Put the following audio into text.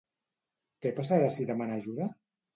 Què passarà si demana ajuda?